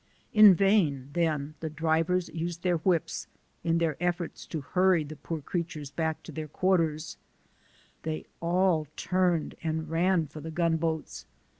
In vain, then, the drivers used their whips, in their ef forts to hurry the poor creatures back to their quar ters ; they all turned and ran for the gun boats.